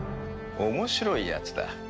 面白いやつだ。